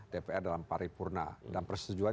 dpr dalam pari purna dan persetujuan